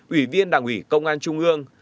ủy viên đảng ủy công an trung ương